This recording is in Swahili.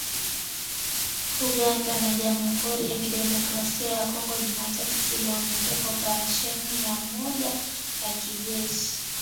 Uganda na Jamhuri ya Kidemokrasi ya Kongo Jumatano ziliongeza oparesheni ya pamoja ya kijeshi